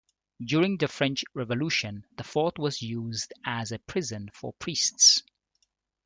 During the French Revolution the fort was used as a prison for priests.